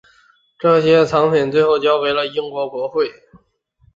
这些藏品最后被交给了英国国会。